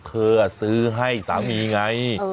ซื้อให้สามีไง